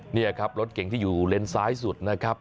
นี่ครับรถเก่งที่อยู่เลนซ้ายสุดนะครับ